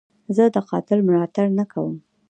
زه د قاتل ملاتړ نه کوم.